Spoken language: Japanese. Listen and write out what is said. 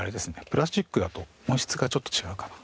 プラスチックだと音質がちょっと違うかな。